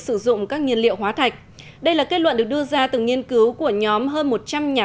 sử dụng các nhiên liệu hóa thạch đây là kết luận được đưa ra từ nghiên cứu của nhóm hơn một trăm linh nhà